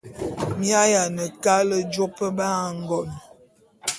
Mi ayiane kale jôp ba ngon.